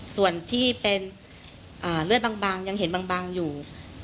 ส่วนที่เป็นเลือดบางยังเห็นบางอยู่